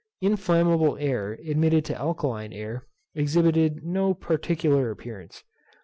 Inflammable air admitted to alkaline air exhibited no particular appearance.